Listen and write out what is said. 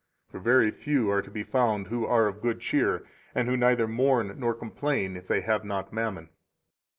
9 For very few are to be found who are of good cheer, and who neither mourn nor complain if they have not Mammon.